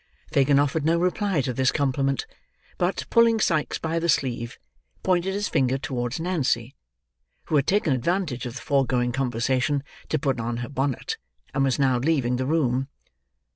Fagin offered no reply to this compliment: but, pulling Sikes by the sleeve, pointed his finger towards Nancy, who had taken advantage of the foregoing conversation to put on her bonnet, and was now leaving the room.